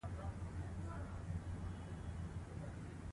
نفاق پریږدئ.